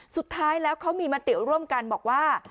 สุดท้ายแล้วเขามีมติร่วมกันบอกว่า